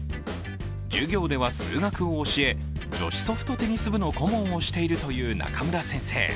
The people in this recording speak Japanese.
授業では数学を教え、女子ソフトテニス部の顧問をしているという中村先生。